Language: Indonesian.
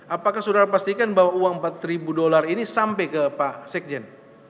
apakah saudara pastikan bahwa uang empat ribu dolar ini sampai ke pak sekjen